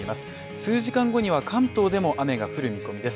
数時間後には関東でも雨が降る見込みです。